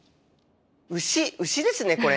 牛牛ですねこれ！